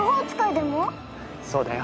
そうだよ。